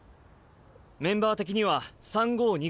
メンバー的には３−５−２が妥当。